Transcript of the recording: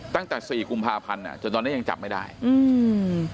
ตั้งแต่สี่กุมภาพันธ์อ่ะจนตอนนี้ยังจับไม่ได้อืม